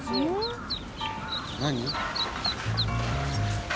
何？